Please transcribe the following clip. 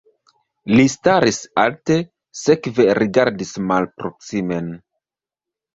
Li staris alte, sekve rigardis malproksimen.